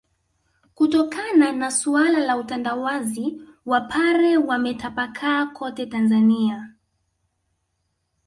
Kutokana na suala la utandawazi wapare wametapakaa kote Tanzania